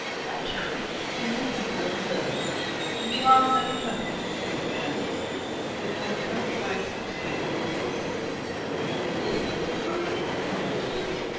Don't hurry. I may have a little doze, and be all the better company when you get back. No, don't try to persuade me, Mr. Clifden. It isn't the part of a friend."